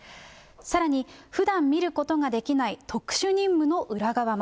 さらに、ふだん見ることができない特殊任務の裏側も。